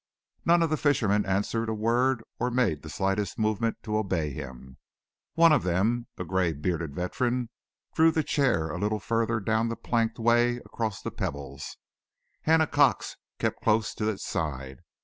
Not one of the fishermen answered a word or made the slightest movement to obey him. One of them, a grey bearded veteran, drew the chair a little further down the planked way across the pebbles. Hannah Cox kept close to its side.